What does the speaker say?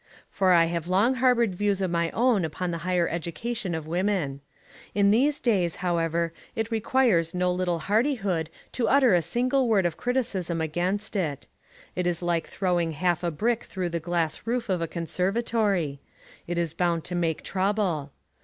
For I have long harboured views of my own upon the higher education of women. In these days, however, it requires no little hardihood to utter a single word of criticism against it. It is like throwing half a brick through the glass roof of a conservatory. It is bound to make trouble.